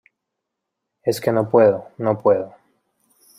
es que no puedo. no puedo .